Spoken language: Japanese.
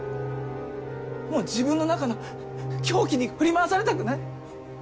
もう自分の中の狂気に振り回されたくない。